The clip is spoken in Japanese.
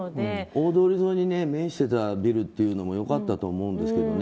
大通り沿いに面していたビルというのも良かったと思うんですけどね